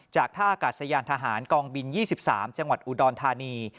จากท่าอากาศยานทหารกองบิน๒๓จังหวัดอุดรธานี